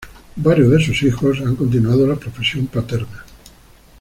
Varios de sus hijos han continuado la profesión paterna.